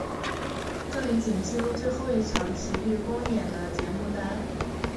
这里仅记录最后一场琦玉公演的节目单。